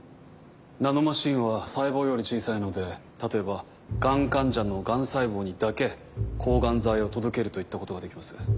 ナノマシンは細胞より小さいので例えばがん患者のがん細胞にだけ抗がん剤を届けるといったことができます。